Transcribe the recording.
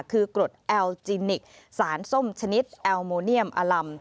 คือกรดแอลจินิกสารส้มชนิดแอลโมเนียมอลัม